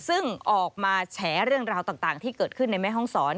ซึ่งออกมาแฉเรื่องราวต่างที่เกิดขึ้นในแม่ห้องศร